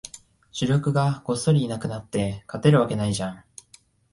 主力がごっそりいなくなって、勝てるわけないじゃん